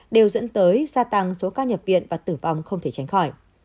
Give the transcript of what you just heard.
đều dẫn tới gia tăng số ca nhập viện và tử vong không thể tránh khỏi